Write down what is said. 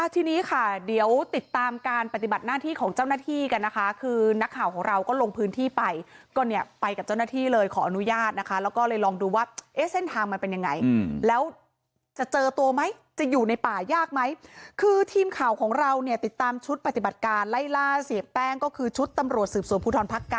ทีนี้ค่ะเดี๋ยวติดตามการปฏิบัติหน้าที่ของเจ้าหน้าที่กันนะคะคือนักข่าวของเราก็ลงพื้นที่ไปก็เนี่ยไปกับเจ้าหน้าที่เลยขออนุญาตนะคะแล้วก็เลยลองดูว่าเอ๊ะเส้นทางมันเป็นยังไงแล้วจะเจอตัวไหมจะอยู่ในป่ายากไหมคือทีมข่าวของเราเนี่ยติดตามชุดปฏิบัติการไล่ล่าเสียแป้งก็คือชุดตำรวจสืบสวนภูทรภักดิ